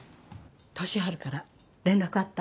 俊春から連絡あった？